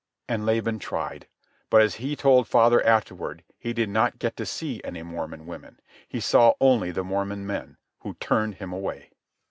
And Laban tried. But, as he told father afterward, he did not get to see any Mormon women. He saw only the Mormon men, who turned him away.